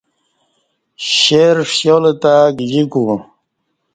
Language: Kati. شیر ݜیالہ تہ گجیکو